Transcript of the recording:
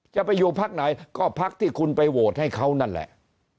จะไปอยู่พักไหนก็พักที่คุณไปโหวตให้เขานั่นแหละ